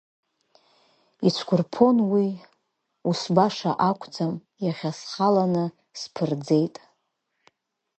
Ицәқәырԥон уи, ус баша акәӡам, иахьа схаланы сԥырӡеит.